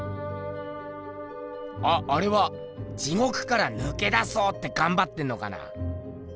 あっあれは地獄からぬけ出そうってがんばってんのかな。